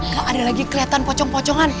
kalau ada lagi kelihatan pocong pocongan